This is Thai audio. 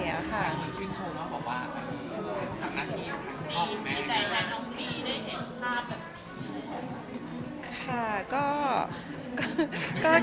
มีใจที่ต้องมีในเห็นหน้าแบบนี้